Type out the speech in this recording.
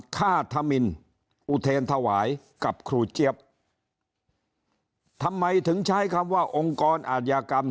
ค่าธมินอุเทรนถวายกับครูเจี๊ยบทำไมถึงใช้คำว่าองค์กรอาธิกรรม